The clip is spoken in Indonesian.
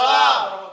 oh gila eh